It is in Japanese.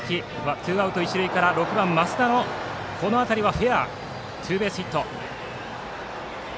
ツーアウト、一塁から６番、増田の当たりはフェアでツーベースヒット。